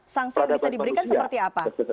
sanksi yang bisa diberikan seperti apa